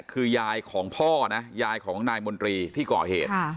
คือยายของพ่อนะยายของนายมนตรีที่ก่อเหตุ